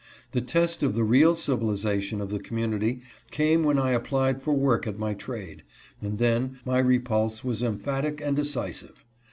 The test of the real civilization of the community came when I ap plied for work at my trade, and then my repulse was emphatic and decisive.